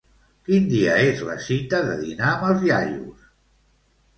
Quin dia és la cita de dinar amb els iaios?